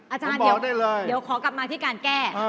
อาจารย์เดี๋ยวขอกลับมาที่การแก้